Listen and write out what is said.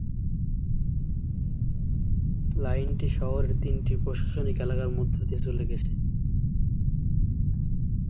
লাইনটি শহরের তিনটি প্রশাসনিক এলাকার মধ্য দিয়ে চলে গেছে।